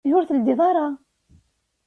Ihi ur tleddiḍ ara?